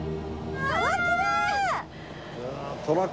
わあきれい！